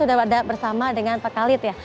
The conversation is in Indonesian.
saat ini saya sudah bersama dengan pak khalid ya